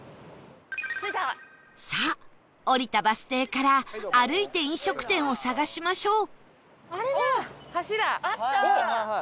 さあ降りたバス停から歩いて飲食店を探しましょう